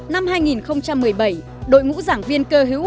năm hai nghìn một mươi bảy đội ngũ giảng viên cơ hữu